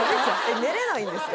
寝れないんですか？